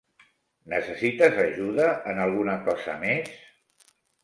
Necessites ajuda en alguna cosa més?